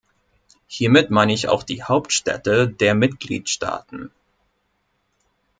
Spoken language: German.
Hiermit meine ich auch die Hauptstädte der Mitgliedstaaten.